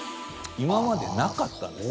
今までなかったんです。